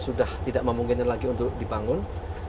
sudah tidak memungkinkan lagi untuk dibangun